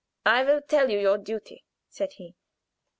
"I will tell you your duty," said he.